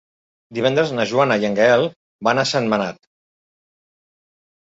Divendres na Joana i en Gaël van a Sentmenat.